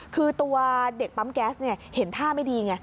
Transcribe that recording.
คือตัวเด็กปั๊มแก๊สเห็นท่าไม่ดีไง